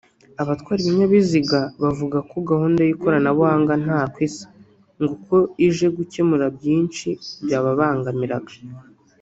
Abatwara ibinyabiziga bavuga ko gahunda y’ikoranabuhanga ntako isa ngo kuko ije gukemura byinshi byababangamiraga